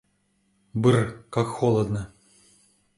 Бр-р, как холодно!